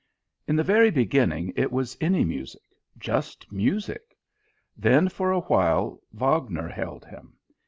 In the very beginning it was any music, just music. Then for a while Wagner held him.